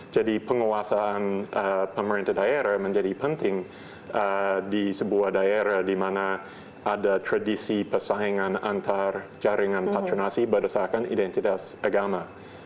jadi penguasaan pemerintah daerah menjadi penting di sebuah daerah dimana ada tradisi persaingan antar jaringan patronasi berdasarkan identitas agama